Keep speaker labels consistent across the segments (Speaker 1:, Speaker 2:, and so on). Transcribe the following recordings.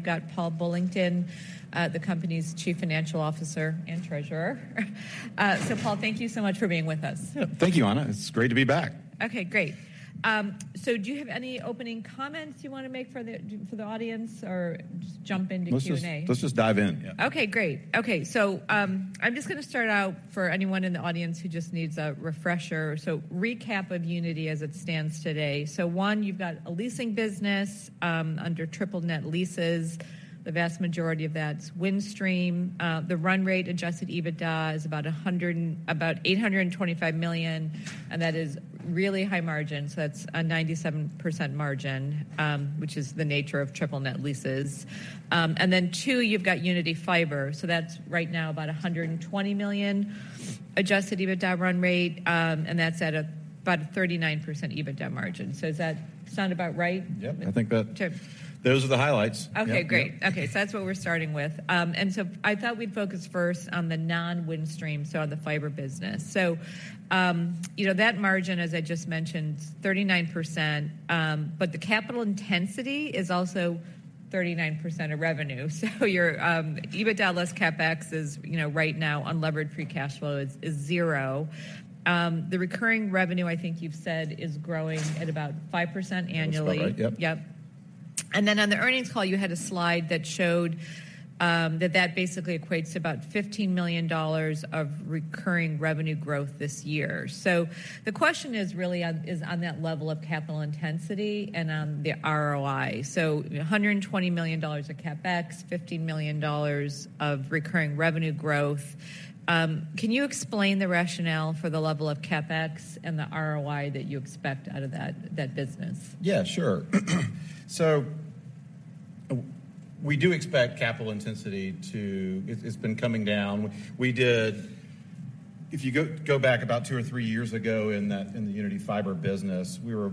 Speaker 1: We've got Paul Bullington, the company's Chief Financial Officer and Treasurer. So Paul, thank you so much for being with us.
Speaker 2: Yeah. Thank you, Anna. It's great to be back.
Speaker 1: Okay, great. So do you have any opening comments you want to make for the audience, or just jump into Q&A?
Speaker 2: Let's just, let's just dive in. Yeah.
Speaker 1: Okay, great. Okay, so, I'm just going to start out for anyone in the audience who just needs a refresher. So recap of Uniti as it stands today. So one, you've got a leasing business under triple net leases. The vast majority of that's Windstream. The run rate adjusted EBITDA is about $825 million, and that is really high margin, so that's a 97% margin, which is the nature of triple net leases. And then two, you've got Uniti Fiber, so that's right now about $120 million adjusted EBITDA run rate, and that's at about a 39% EBITDA margin. So does that sound about right?
Speaker 2: Yep, I think that-
Speaker 1: Sure.
Speaker 2: Those are the highlights.
Speaker 1: Okay, great.
Speaker 2: Yeah.
Speaker 1: Okay, so that's what we're starting with. And so I thought we'd focus first on the non-Windstream, so on the fiber business. So, you know, that margin, as I just mentioned, is 39%, but the capital intensity is also 39% of revenue. So your EBITDA less CapEx is, you know, right now, unlevered free cash flow is zero. The recurring revenue, I think you've said, is growing at about 5% annually.
Speaker 2: That's about right, yep.
Speaker 1: Yep. Then on the earnings call, you had a slide that showed that that basically equates to about $15 million of recurring revenue growth this year. The question is really on, is on that level of capital intensity and on the ROI. $120 million of CapEx, $15 million of recurring revenue growth. Can you explain the rationale for the level of CapEx and the ROI that you expect out of that, that business?
Speaker 2: Yeah, sure. So we do expect capital intensity to... It's been coming down. If you go back about two or three years ago in that, in the Uniti Fiber business, we were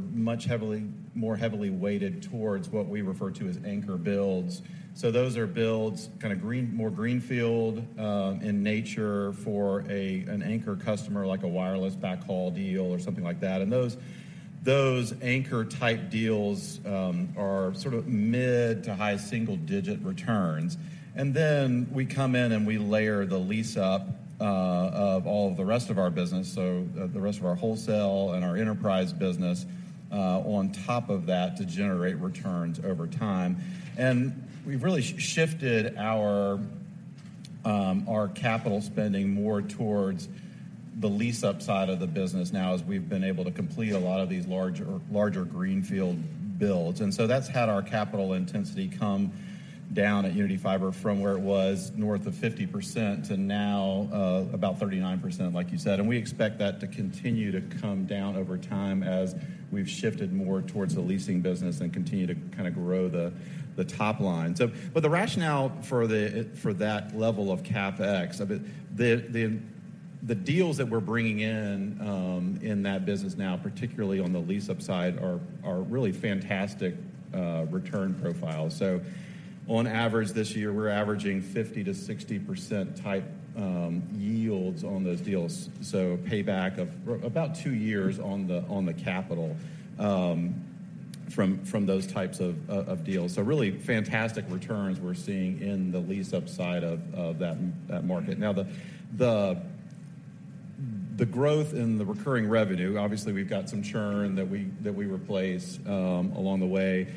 Speaker 2: more heavily weighted towards what we refer to as anchor builds. So those are builds, kind of more greenfield in nature for an anchor customer, like a wireless backhaul deal or something like that. And those anchor-type deals are sort of mid to high single-digit returns. And then we come in, and we layer the lease-up of all the rest of our business, so the rest of our wholesale and our enterprise business on top of that to generate returns over time. And we've really shifted our capital spending more towards the lease-up side of the business now, as we've been able to complete a lot of these larger greenfield builds. And so that's had our capital intensity come down at Uniti Fiber from where it was north of 50% to now, about 39%, like you said. And we expect that to continue to come down over time as we've shifted more towards the leasing business and continue to kind of grow the top line. So, but the rationale for that level of CapEx, I mean, the deals that we're bringing in in that business now, particularly on the lease-up side, are really fantastic return profiles. So on average, this year, we're averaging 50%-60% type yields on those deals, so payback of about two years on the capital from those types of deals. So really fantastic returns we're seeing in the lease-up side of that market. Now, the growth in the recurring revenue, obviously, we've got some churn that we replace along the way.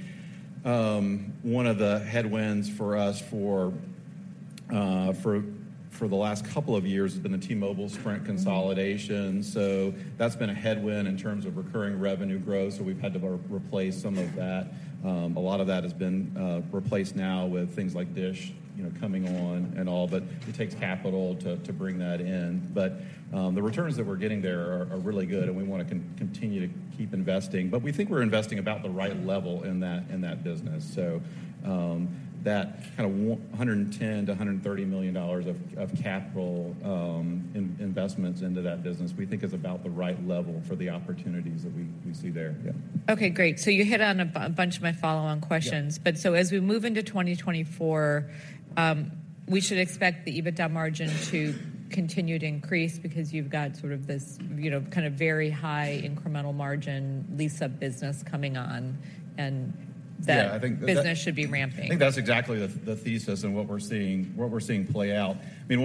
Speaker 2: One of the headwinds for us for the last couple of years has been the T-Mobile, Sprint consolidation. So that's been a headwind in terms of recurring revenue growth, so we've had to replace some of that. A lot of that has been replaced now with things like DISH, you know, coming on and all, but it takes capital to bring that in. But the returns that we're getting there are really good, and we want to continue to keep investing. But we think we're investing about the right level in that business. So that kind of $110 million-$130 million of capital investments into that business, we think is about the right level for the opportunities that we see there. Yeah.
Speaker 1: Okay, great. So you hit on a bunch of my follow-on questions.
Speaker 2: Yeah.
Speaker 1: As we move into 2024, we should expect the EBITDA margin to continue to increase because you've got sort of this, you know, kind of very high incremental margin lease-up business coming on, and that-
Speaker 2: Yeah, I think that-
Speaker 1: Business should be ramping.
Speaker 2: I think that's exactly the thesis and what we're seeing, what we're seeing play out. I mean,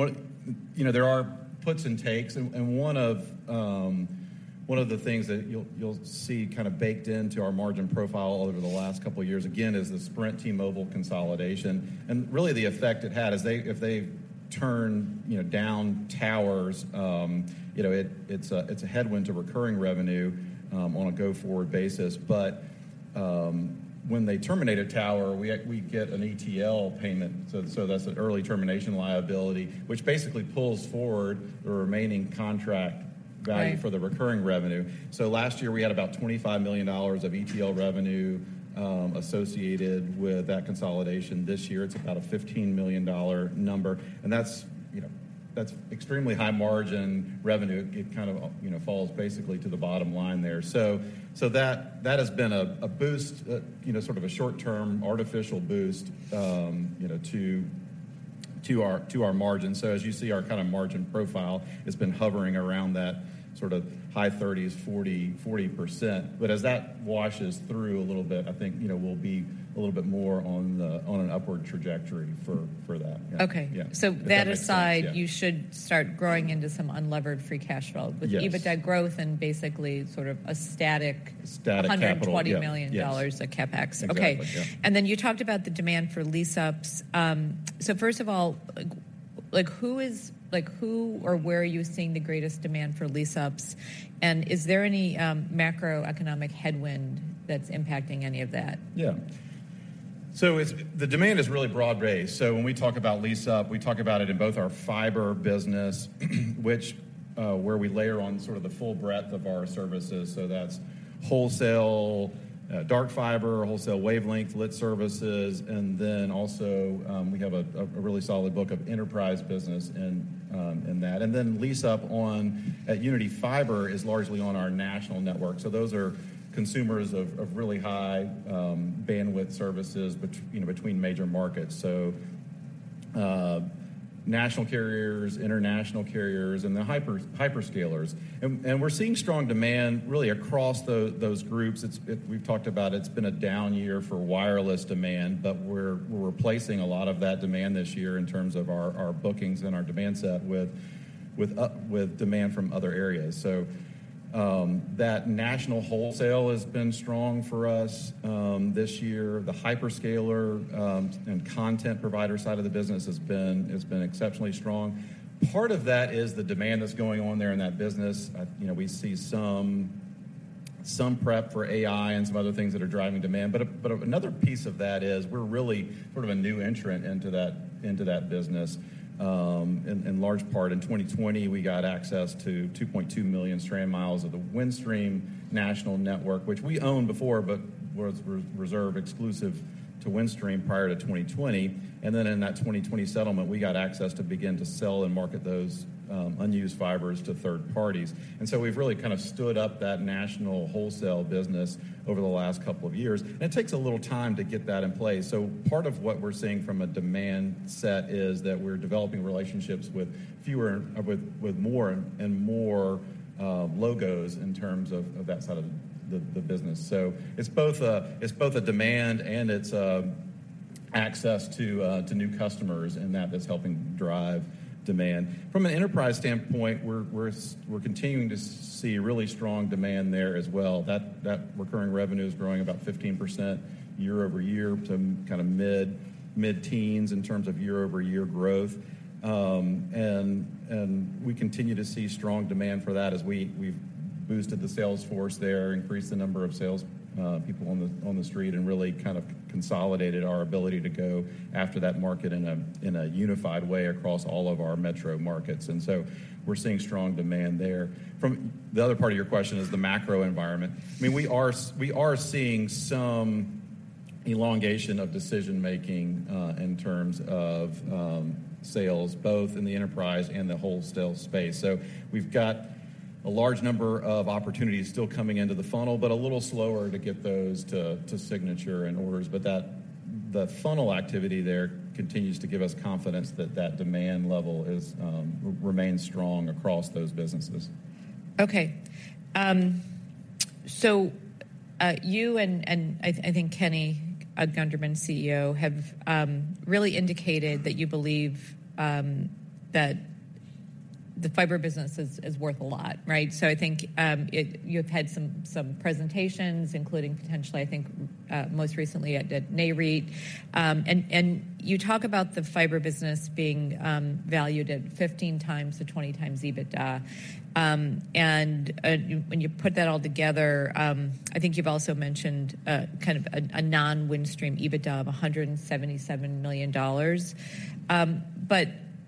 Speaker 2: you know, there are puts and takes, and one of the things that you'll see kind of baked into our margin profile over the last couple of years, again, is the Sprint/T-Mobile consolidation. And really, the effect it had is they, if they turn down towers, you know, it's a headwind to recurring revenue on a go-forward basis. But when they terminate a tower, we get an ETL payment, so that's an early termination liability, which basically pulls forward the remaining contract value-
Speaker 1: Right...
Speaker 2: for the recurring revenue. So last year, we had about $25 million of ETL revenue associated with that consolidation. This year, it's about a $15 million number, and that's, you know, that's extremely high margin revenue. It kind of, you know, falls basically to the bottom line there. So, so that, that has been a, a boost, you know, sort of a short-term artificial boost, you know, to our, to our margins. So as you see, our kind of margin profile has been hovering around that sort of high 30s, 40, 40%. But as that washes through a little bit, I think, you know, we'll be a little bit more on the, on an upward trajectory for, for that.
Speaker 1: Okay.
Speaker 2: Yeah.
Speaker 1: That aside.
Speaker 2: If that makes sense, yeah....
Speaker 1: you should start growing into some unlevered free cash flow-
Speaker 2: Yes
Speaker 1: -with EBITDA growth and basically sort of a static-
Speaker 2: Static capital, yeah
Speaker 1: $120 million of CapEx.
Speaker 2: Exactly, yeah.
Speaker 1: Okay. And then you talked about the demand for lease-ups. So first of all, like, who or where are you seeing the greatest demand for lease-ups? And is there any macroeconomic headwind that's impacting any of that?
Speaker 2: Yeah. So it's the demand is really broad-based. So when we talk about lease-up, we talk about it in both our fiber business, which, where we layer on sort of the full breadth of our services. So that's wholesale, dark fiber, wholesale wavelength, lit services, and then also, we have a really solid book of enterprise business in, in that. And then lease-up at Uniti Fiber is largely on our national network. So those are consumers of really high bandwidth services you know, between major markets. So, national carriers, international carriers, and the hyperscalers. And we're seeing strong demand really across those groups. It's we've talked about it, it's been a down year for wireless demand, but we're replacing a lot of that demand this year in terms of our bookings and our demand set with demand from other areas. So, that national wholesale has been strong for us this year. The hyperscaler and content provider side of the business has been exceptionally strong. Part of that is the demand that's going on there in that business. You know, we see some prep for AI and some other things that are driving demand. But another piece of that is we're really sort of a new entrant into that business. In large part, in 2020, we got access to 2.2 million strand miles of the Windstream national network, which we owned before, but was reserved exclusive to Windstream prior to 2020. And then in that 2020 settlement, we got access to begin to sell and market those unused fibers to third parties. And so we've really kind of stood up that national wholesale business over the last couple of years, and it takes a little time to get that in place. So part of what we're seeing from a demand set is that we're developing relationships with more and more logos in terms of that side of the business. So it's both a demand and it's access to new customers, and that is helping drive demand. From an enterprise standpoint, we're continuing to see really strong demand there as well. That recurring revenue is growing about 15% year-over-year to kind of mid-teens in terms of year-over-year growth. And we continue to see strong demand for that as we've boosted the sales force there, increased the number of sales people on the street, and really kind of consolidated our ability to go after that market in a unified way across all of our metro markets. And so we're seeing strong demand there. From the other part of your question is the macro environment. I mean, we are seeing some elongation of decision-making in terms of sales, both in the enterprise and the wholesale space. So we've got a large number of opportunities still coming into the funnel, but a little slower to get those to signature and orders. But that, the funnel activity there continues to give us confidence that that demand level remains strong across those businesses.
Speaker 1: Okay. So, you and I think Kenny Gunderman, CEO, have really indicated that you believe that the fiber business is worth a lot, right? So I think it. You've had some presentations, including potentially, I think most recently at NAREIT. And you talk about the fiber business being valued at 15x-20x EBITDA. And when you put that all together, I think you've also mentioned kind of a non-Windstream EBITDA of $177 million. But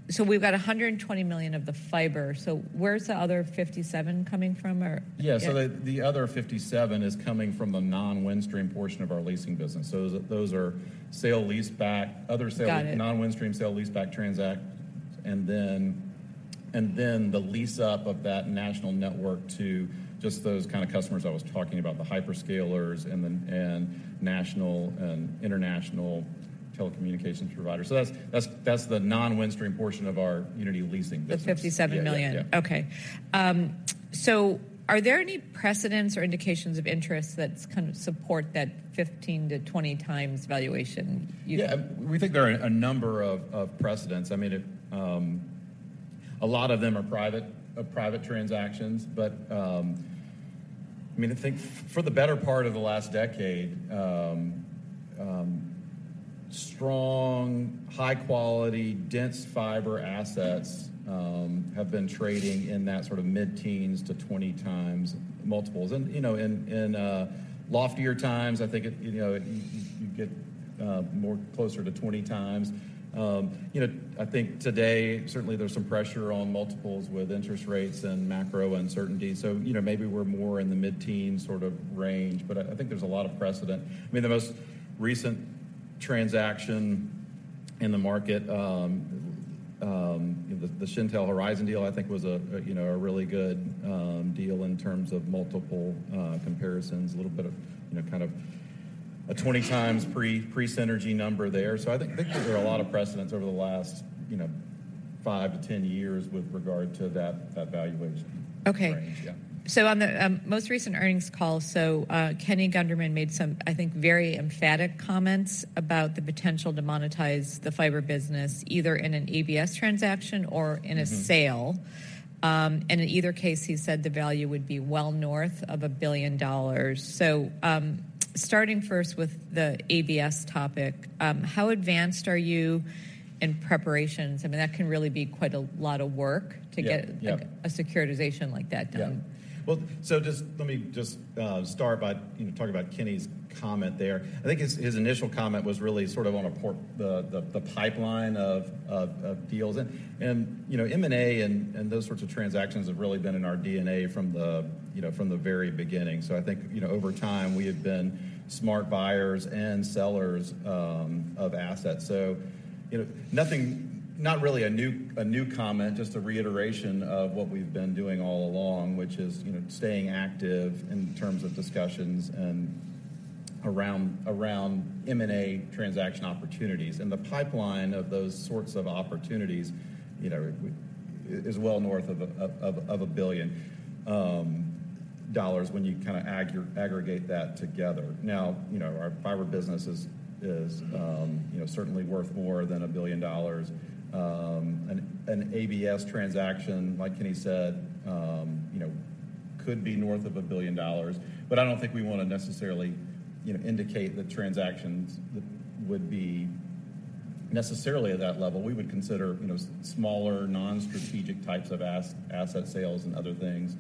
Speaker 1: so we've got $120 million of the fiber, so where's the other 57 coming from or-
Speaker 2: Yeah.
Speaker 1: Yeah.
Speaker 2: So the other 57 is coming from the non-Windstream portion of our leasing business. So those are sale-leaseback, other sale-
Speaker 1: Got it...
Speaker 2: non-Windstream sale-leaseback transaction, and then the lease-up of that national network to just those kind of customers I was talking about, the hyperscalers and national and international telecommunications providers. So that's the non-Windstream portion of our Uniti Leasing business.
Speaker 1: The $57 million?
Speaker 2: Yeah. Yeah.
Speaker 1: Okay. Are there any precedents or indications of interest that kind of support that 15-20 times valuation you-
Speaker 2: Yeah. We think there are a number of precedents. I mean, a lot of them are private transactions. But, I mean, I think for the better part of the last decade, strong, high-quality, dense fiber assets have been trading in that sort of mid-teens to 20x multiples. And, you know, in loftier times, I think it, you know, you get more closer to 20x. You know, I think today, certainly there's some pressure on multiples with interest rates and macro uncertainty. So, you know, maybe we're more in the mid-teen sort of range, but I think there's a lot of precedent. I mean, the most recent transaction in the market, the Shentel Horizon deal, I think, was a, you know, a really good deal in terms of multiple comparisons, a little bit of, you know, a 20x pre-synergy number there. So I think there are a lot of precedents over the last, you know, 5-10 years with regard to that, that valuation-
Speaker 1: Okay.
Speaker 2: Range, yeah.
Speaker 1: On the most recent earnings call, Kenny Gunderman made some, I think, very emphatic comments about the potential to monetize the fiber business, either in an ABS transaction or-
Speaker 2: Mm-hmm
Speaker 1: -in a sale. In either case, he said the value would be well north of $1 billion. So, starting first with the ABS topic, how advanced are you in preparations? I mean, that can really be quite a lot of work to get-
Speaker 2: Yeah, yeah...
Speaker 1: like, a securitization like that done.
Speaker 2: Yeah. Well, so just let me just start by, you know, talking about Kenny's comment there. I think his initial comment was really sort of on the pipeline of deals. And, you know, M&A and those sorts of transactions have really been in our DNA from the, you know, from the very beginning. So I think, you know, over time, we have been smart buyers and sellers of assets. So, you know, nothing—not really a new comment, just a reiteration of what we've been doing all along, which is, you know, staying active in terms of discussions and around M&A transaction opportunities. And the pipeline of those sorts of opportunities, you know, is well north of $1 billion when you kind of aggregate that together. Now, you know, our fiber business is, you know, certainly worth more than $1 billion. And an ABS transaction, like Kenny said, you know, could be north of $1 billion. But I don't think we wanna necessarily, you know, indicate the transactions that would be necessarily at that level. We would consider, you know, smaller, non-strategic types of asset sales and other things,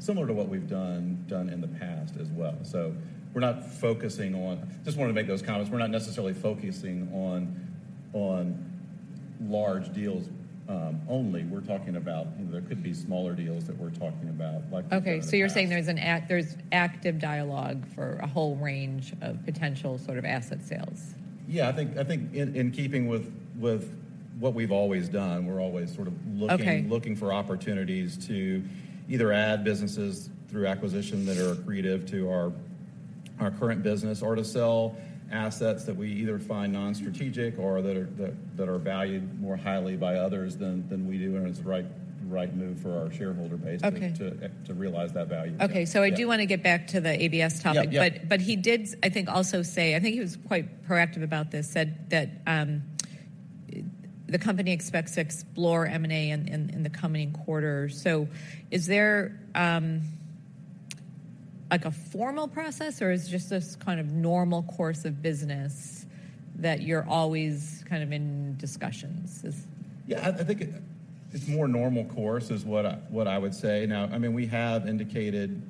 Speaker 2: similar to what we've done in the past as well. So we're not focusing on. Just wanted to make those comments. We're not necessarily focusing on large deals only. We're talking about, you know, there could be smaller deals that we're talking about, like we've done in the past.
Speaker 1: Okay, so you're saying there's active dialogue for a whole range of potential sort of asset sales?
Speaker 2: Yeah, I think in keeping with what we've always done, we're always sort of looking-
Speaker 1: Okay...
Speaker 2: looking for opportunities to either add businesses through acquisition that are accretive to our current business or to sell assets that we either find non-strategic or that are valued more highly by others than we do, and it's the right move for our shareholder base-
Speaker 1: Okay...
Speaker 2: to realize that value.
Speaker 1: Okay.
Speaker 2: Yeah.
Speaker 1: I do want to get back to the ABS topic.
Speaker 2: Yeah, yeah.
Speaker 1: But he did, I think, also say... I think he was quite proactive about this, said that the company expects to explore M&A in the coming quarters. So is there, like, a formal process, or is it just this kind of normal course of business that you're always kind of in discussions? Is-
Speaker 2: Yeah, I think it's more normal course, is what I would say. Now, I mean, we have indicated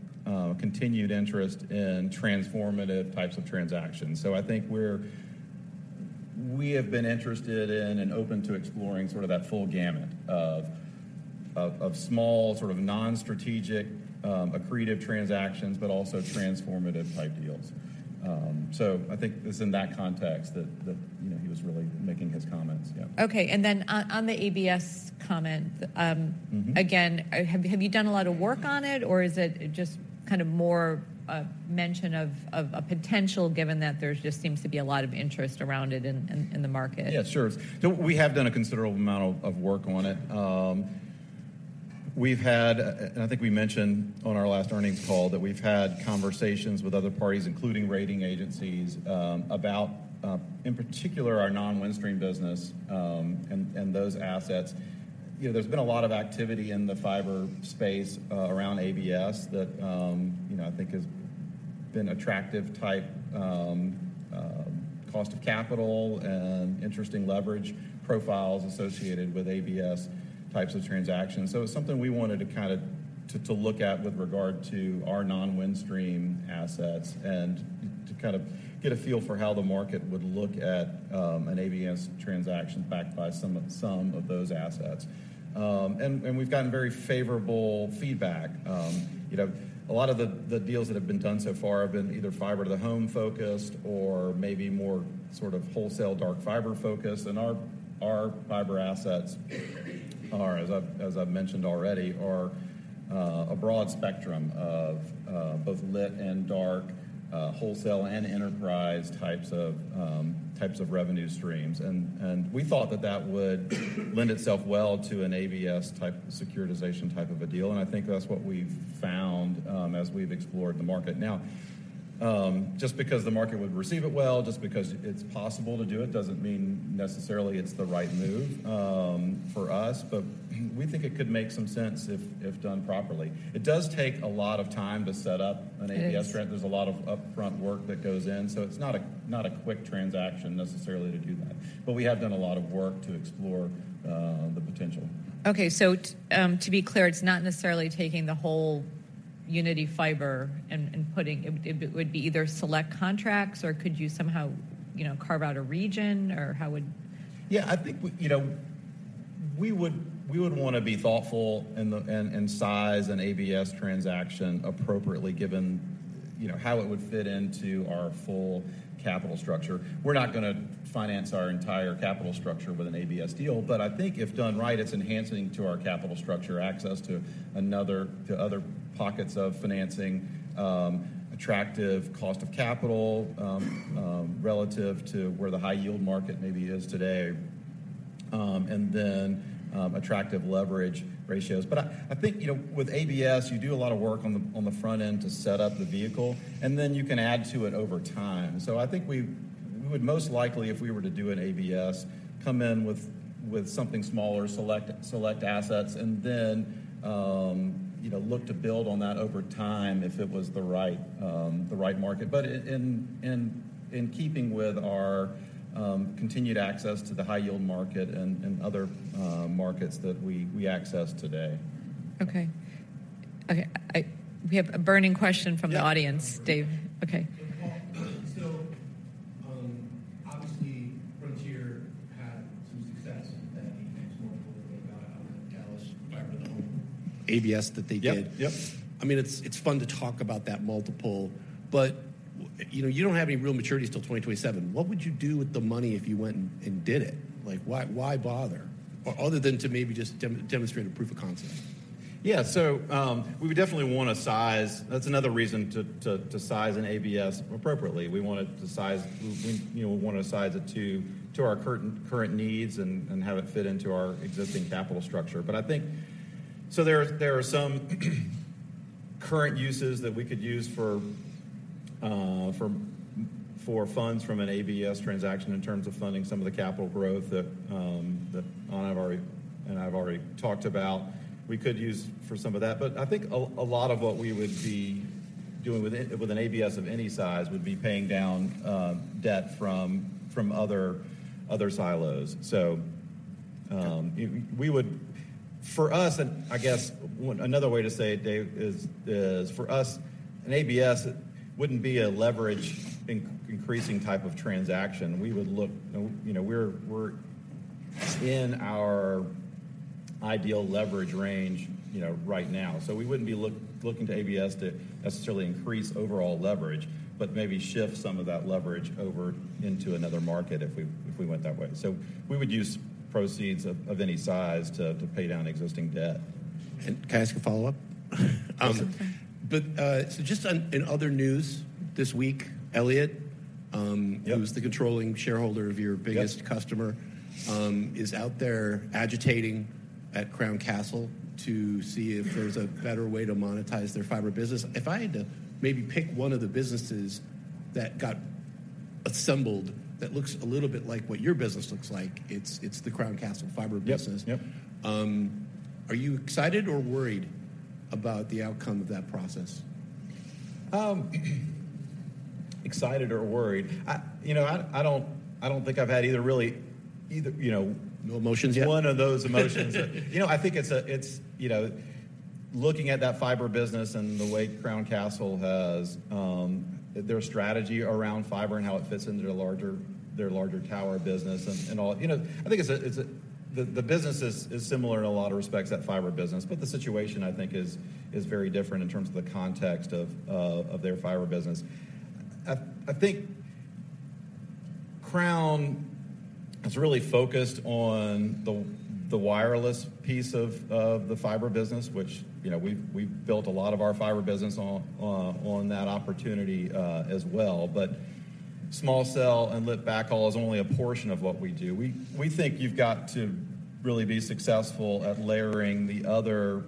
Speaker 2: continued interest in transformative types of transactions. So I think we have been interested in and open to exploring sort of that full gamut of small, sort of non-strategic, accretive transactions, but also transformative type deals. So I think it's in that context that you know, he was really making his comments, yeah.
Speaker 1: Okay. And then on the ABS comment.
Speaker 2: Mm-hmm.
Speaker 1: Again, have you done a lot of work on it, or is it just kind of more a mention of a potential, given that there just seems to be a lot of interest around it in the market?
Speaker 2: Yeah, sure. So we have done a considerable amount of work on it. I think we mentioned on our last earnings call that we've had conversations with other parties, including rating agencies, about, in particular, our non-Windstream business, and those assets. You know, there's been a lot of activity in the fiber space around ABS that, you know, I think has been attractive type cost of capital and interesting leverage profiles associated with ABS types of transactions. So it's something we wanted to kind of to look at with regard to our non-Windstream assets and to kind of get a feel for how the market would look at an ABS transaction backed by some of those assets. We've gotten very favorable feedback. You know, a lot of the deals that have been done so far have been either fiber to the home focused or maybe more sort of wholesale dark fiber focused. And our fiber assets are, as I've mentioned already, a broad spectrum of both lit and dark, wholesale and enterprise types of revenue streams. And we thought that that would lend itself well to an ABS-type securitization type of a deal, and I think that's what we've found, as we've explored the market. Now, just because the market would receive it well, just because it's possible to do it, doesn't mean necessarily it's the right move, for us. But we think it could make some sense if done properly. It does take a lot of time to set up an ABS-
Speaker 1: It is.
Speaker 2: There's a lot of upfront work that goes in, so it's not a quick transaction necessarily to do that. But we have done a lot of work to explore the potential.
Speaker 1: Okay, so to be clear, it's not necessarily taking the whole Uniti Fiber and, and putting... It would be either select contracts, or could you somehow, you know, carve out a region? Or how would-
Speaker 2: Yeah, I think we, you know, we would want to be thoughtful in the size and ABS transaction appropriately given, you know, how it would fit into our full capital structure. We're not gonna finance our entire capital structure with an ABS deal, but I think if done right, it's enhancing to our capital structure, access to another to other pockets of financing, attractive cost of capital, relative to where the high-yield market maybe is today, and then attractive leverage ratios. But I think, you know, with ABS, you do a lot of work on the front end to set up the vehicle, and then you can add to it over time. So I think we would most likely, if we were to do an ABS, come in with something smaller, select assets, and then, you know, look to build on that over time if it was the right, the right market. But in keeping with our continued access to the high-yield market and other markets that we access today.
Speaker 1: Okay. Okay, we have a burning question from the audience.
Speaker 2: Yeah.
Speaker 1: Dave. Okay.
Speaker 3: Obviously, Frontier had some success with that $8.4 billion fiber-to-the-home ABS that they did.
Speaker 2: Yep, yep.
Speaker 3: I mean, it's fun to talk about that multiple, but, you know, you don't have any real maturities till 2027. What would you do with the money if you went and did it? Like, why, why bother? Other than to maybe just demonstrate a proof of concept.
Speaker 2: Yeah, so, we would definitely want to size... That's another reason to size an ABS appropriately. We want to size it—you know, we want to size it to our current needs and have it fit into our existing capital structure. But I think—so there are some current uses that we could use for funds from an ABS transaction in terms of funding some of the capital growth that and I have already talked about. We could use for some of that. But I think a lot of what we would be doing with an ABS of any size would be paying down debt from other silos. So, we would—for us, and I guess another way to say it, Dave, is for us, an ABS wouldn't be a leverage increasing type of transaction. We would look, you know, we're in our ideal leverage range, you know, right now. So we wouldn't be looking to ABS to necessarily increase overall leverage, but maybe shift some of that leverage over into another market if we went that way. So we would use proceeds of any size to pay down existing debt.
Speaker 3: Can I ask a follow-up?
Speaker 1: Yes, you can.
Speaker 3: So just on in other news, this week, Elliott
Speaker 2: Yep.
Speaker 3: Who is the controlling shareholder of your biggest—
Speaker 2: Yep.
Speaker 3: Customer is out there agitating at Crown Castle to see if there's a better way to monetize their fiber business. If I had to maybe pick one of the businesses that got assembled that looks a little bit like what your business looks like, it's the Crown Castle fiber business.
Speaker 2: Yep, yep.
Speaker 3: Are you excited or worried about the outcome of that process?
Speaker 2: Excited or worried? You know, I don't think I've had either really, either, you know-
Speaker 3: No emotions yet?
Speaker 2: One of those emotions. You know, I think it's, you know, looking at that fiber business and the way Crown Castle has their strategy around fiber and how it fits into their larger tower business and all. You know, I think it's a, the business is similar in a lot of respects, that fiber business, but the situation, I think, is very different in terms of the context of their fiber business. I think Crown is really focused on the wireless piece of the fiber business, which, you know, we've built a lot of our fiber business on that opportunity as well. But small cell and lit backhaul is only a portion of what we do. We think you've got to really be successful at layering the other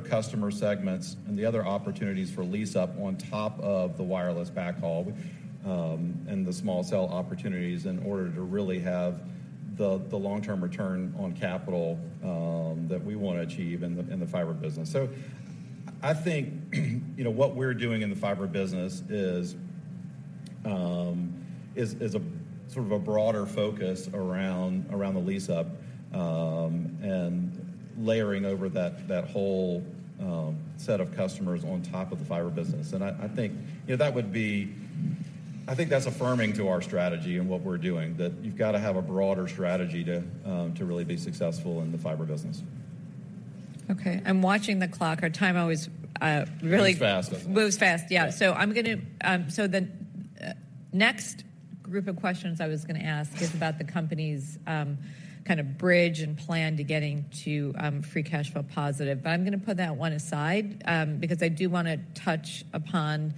Speaker 2: customer segments and the other opportunities for lease-up on top of the wireless backhaul and the small cell opportunities, in order to really have the long-term return on capital that we want to achieve in the fiber business. So I think, you know, what we're doing in the fiber business is a sort of a broader focus around the lease-up and layering over that whole set of customers on top of the fiber business. And I think, you know, that would be. I think that's affirming to our strategy and what we're doing, that you've got to have a broader strategy to really be successful in the fiber business.
Speaker 1: Okay. I'm watching the clock. Our time always, really-
Speaker 2: Moves fast, doesn't it?...
Speaker 1: moves fast, yeah.
Speaker 2: Right.
Speaker 1: So I'm gonna, so the next group of questions I was gonna ask is about the company's, kind of bridge and plan to getting to, free cash flow positive. But I'm gonna put that one aside, because I do want to touch upon,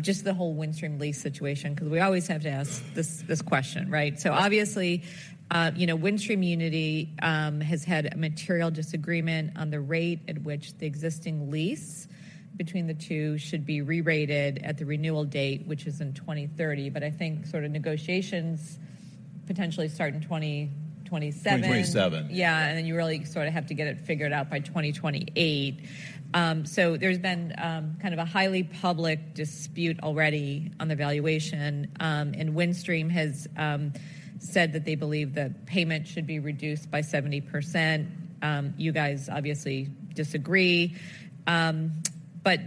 Speaker 1: just the whole Windstream lease situation, because we always have to ask this, this question, right? So obviously, you know, Windstream and Uniti, has had a material disagreement on the rate at which the existing lease between the two should be re-rated at the renewal date, which is in 2030. But I think sort of negotiations potentially start in 2027.
Speaker 2: Twenty twenty-seven.
Speaker 1: Yeah, and then you really sort of have to get it figured out by 2028. So there's been kind of a highly public dispute already on the valuation, and Windstream has said that they believe the payment should be reduced by 70%. You guys obviously disagree. But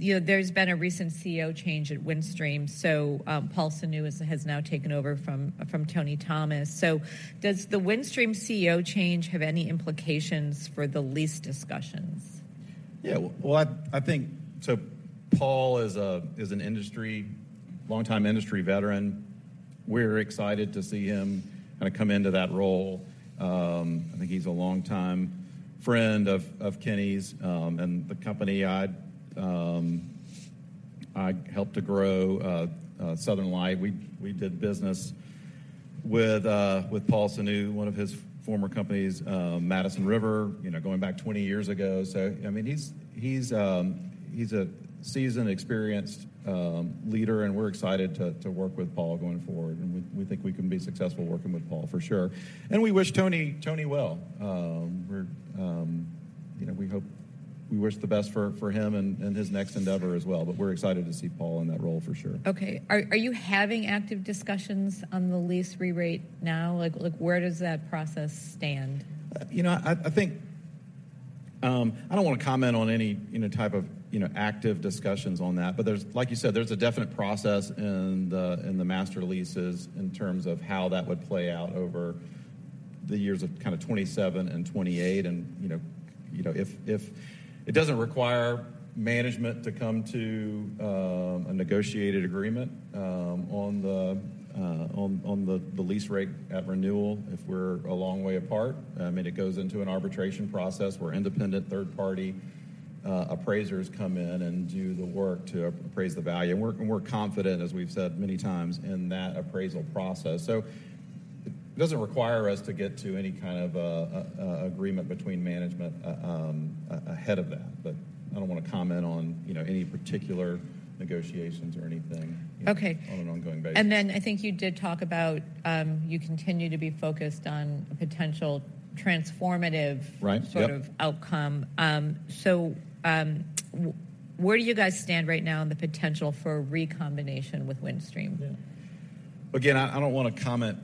Speaker 1: you know, there's been a recent CEO change at Windstream, so Paul Sunu has now taken over from Tony Thomas. So does the Windstream CEO change have any implications for the lease discussions?...
Speaker 2: Yeah, well, I think, so Paul is a longtime industry veteran. We're excited to see him kind of come into that role. I think he's a longtime friend of Kenny's, and the company I helped to grow, Southern Light. We did business with Paul Sunu, one of his former companies, Madison River, you know, going back 20 years ago. So, I mean, he's a seasoned, experienced leader, and we're excited to work with Paul going forward, and we think we can be successful working with Paul, for sure. And we wish Tony well. We're, you know, we wish the best for him and his next endeavor as well. But we're excited to see Paul in that role for sure.
Speaker 1: Okay. Are you having active discussions on the lease re-rate now? Like, where does that process stand?
Speaker 2: You know, I think, I don't want to comment on any, you know, type of, you know, active discussions on that. But there's—like you said, there's a definite process in the master leases in terms of how that would play out over the years of kind of 27 and 28. And, you know, you know, if it doesn't require management to come to a negotiated agreement on the lease rate at renewal, if we're a long way apart, I mean, it goes into an arbitration process where independent third party appraisers come in and do the work to appraise the value. And we're confident, as we've said many times, in that appraisal process. So it doesn't require us to get to any kind of agreement between management ahead of that, but I don't want to comment on, you know, any particular negotiations or anything.
Speaker 1: Okay.
Speaker 2: on an ongoing basis.
Speaker 1: I think you did talk about, you continue to be focused on potential transformative-
Speaker 2: Right. Yep
Speaker 1: -sort of outcome. So, where do you guys stand right now on the potential for a recombination with Windstream?
Speaker 2: Yeah. Again, I don't want to comment,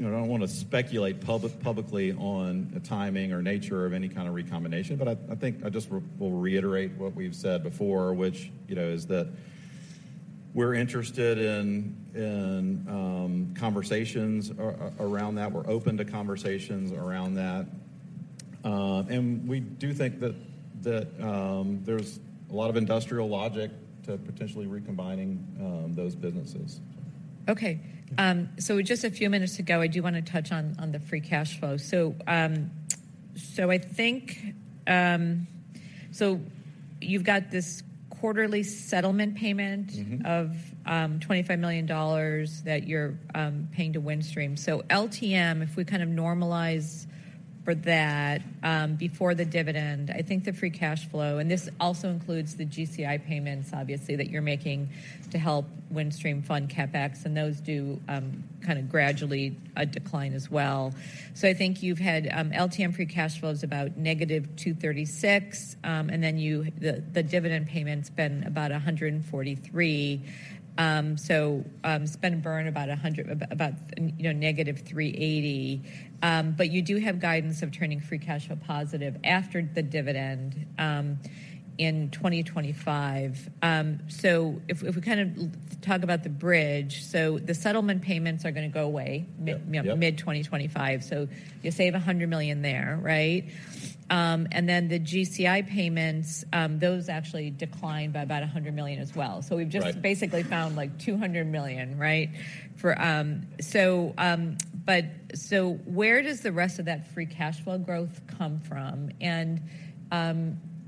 Speaker 2: you know, I don't want to speculate publicly on the timing or nature of any kind of recombination, but I think I just will reiterate what we've said before, which, you know, is that we're interested in conversations around that. We're open to conversations around that, and we do think that there's a lot of industrial logic to potentially recombining those businesses.
Speaker 1: Okay. So just a few minutes to go, I do want to touch on the free cash flow. So I think, so you've got this quarterly settlement payment-
Speaker 2: Mm-hmm...
Speaker 1: of $25 million that you're paying to Windstream. So LTM, if we kind of normalize for that, before the dividend, I think the free cash flow, and this also includes the GCI payments, obviously, that you're making to help Windstream fund CapEx, and those do kind of gradually decline as well. So I think you've had LTM free cash flow is about negative $236 million, and then the dividend payments been about $143 million. So spend and burn about, you know, negative $380 million. But you do have guidance of turning free cash flow positive after the dividend in 2025. So if we kind of talk about the bridge, so the settlement payments are going to go away-
Speaker 2: Yep, yep...
Speaker 1: mid-2025, so you save $100 million there, right? And then the GCI payments, those actually decline by about $100 million as well.
Speaker 2: Right.
Speaker 1: So we've just basically found, like, $200 million, right? For... So, but so where does the rest of that free cash flow growth come from? And,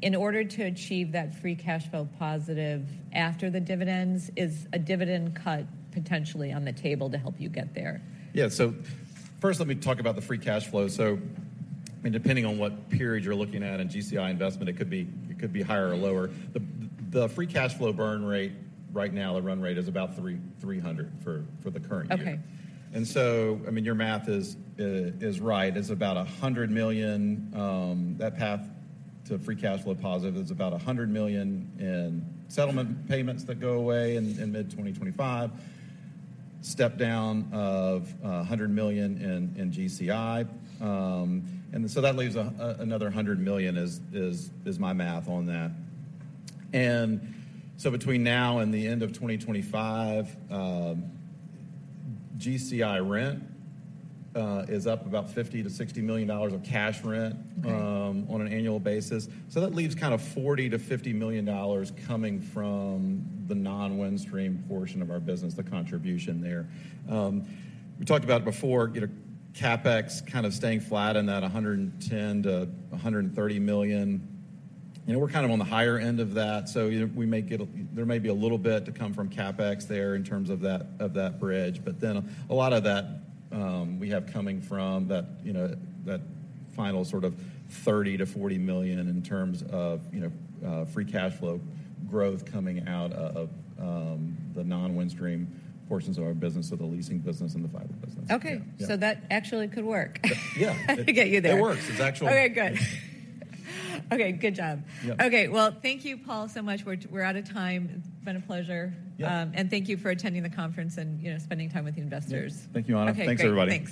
Speaker 1: in order to achieve that free cash flow positive after the dividends, is a dividend cut potentially on the table to help you get there?
Speaker 2: Yeah. First, let me talk about the free cash flow. I mean, depending on what period you're looking at in GCI investment, it could be higher or lower. The free cash flow burn rate right now, the run rate is about $300 for the current year.
Speaker 1: Okay.
Speaker 2: I mean, your math is right. It's about $100 million, that path to free cash flow positive is about $100 million in settlement payments that go away in mid-2025, step down of $100 million in GCI. And so that leaves another $100 million, is my math on that. And so between now and the end of 2025, GCI rent is up about $50-$60 million of cash rent-
Speaker 1: Right...
Speaker 2: on an annual basis. So that leaves kind of $40 million-$50 million coming from the non-Windstream portion of our business, the contribution there. We talked about it before, you know, CapEx kind of staying flat on that $110 million-$130 million. You know, we're kind of on the higher end of that, so, you know, we may get a-- there may be a little bit to come from CapEx there in terms of that, of that bridge. But then a lot of that, we have coming from that, you know, that final sort of $30 million-$40 million in terms of, you know, free cash flow growth coming out of, the non-Windstream portions of our business, so the leasing business and the fiber business.
Speaker 1: Okay.
Speaker 2: Yeah.
Speaker 1: That actually could work.
Speaker 2: Yeah.
Speaker 1: I can get you there.
Speaker 2: It works. It's actually-
Speaker 1: Okay, good. Okay, good job.
Speaker 2: Yep.
Speaker 1: Okay, well, thank you, Paul, so much. We're, we're out of time. It's been a pleasure.
Speaker 2: Yeah.
Speaker 1: Thank you for attending the conference and, you know, spending time with the investors.
Speaker 2: Thank you, Anna.
Speaker 1: Okay, great.
Speaker 2: Thanks, everybody.
Speaker 1: Thanks.